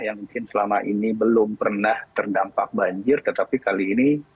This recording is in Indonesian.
yang mungkin selama ini belum pernah terdampak banjir tetapi kali ini